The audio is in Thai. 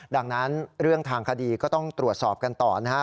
ดังนั้นเรื่องทางคดีก็ต้องตรวจสอบกันต่อนะฮะ